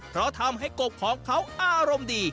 เพราะทำให้กบของเขาอารมณ์ดี